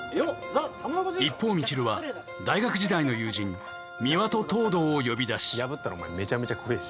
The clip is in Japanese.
一方未知留は大学時代の友人三輪と東堂を呼び出しどうしたの？